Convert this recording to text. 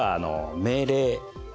命令。